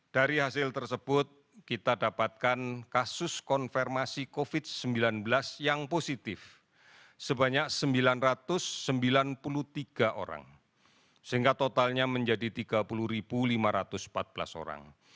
dari hasil tersebut kita dapatkan kasus konfirmasi covid sembilan belas yang positif sebanyak sembilan ratus sembilan puluh tiga orang sehingga totalnya menjadi tiga puluh lima ratus empat belas orang